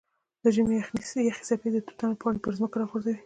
د ژمي یخې څپې د توتانو پاڼې پر ځمکه راغورځوي.